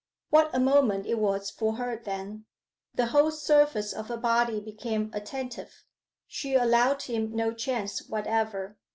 What a moment it was for her then! The whole surface of her body became attentive. She allowed him no chance whatever.